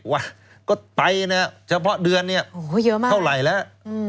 วะก็ไปนะเฉพาะเดือนเนี่ยโอ้โหเยอะมากเท่าไหร่แล้ว